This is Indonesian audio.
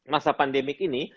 masa pandemik ini